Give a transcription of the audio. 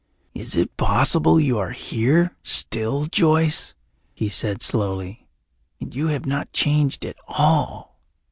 "Is it possible you are here still, Joyce?" he said slowly. "And you have not changed at all."